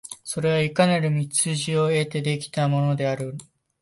それがいかなる道筋を経て出来てきたものであるか、